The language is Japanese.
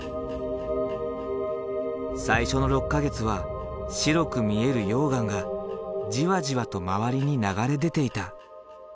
最初の６か月は白く見える溶岩がじわじわと周りに流れ出ていた。